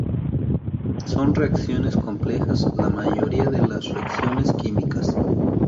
Son reacciones complejas la mayoría de las reacciones químicas.